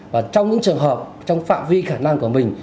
và trong những trường hợp trong phạm vi khả năng của mình